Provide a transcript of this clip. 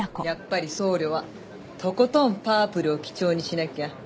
やっぱり僧侶はとことんパープルを基調にしなきゃ。